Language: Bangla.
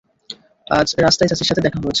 আজ রাস্তায় চাচির সাথে দেখা হয়েছিল।